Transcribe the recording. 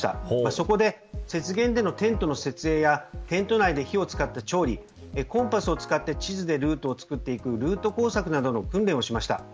そこで雪原でのテントの設営やテント内で火を使った調理コンパスを使って地図でルートを作るルート工作などの訓練をしました。